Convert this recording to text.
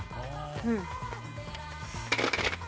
うん。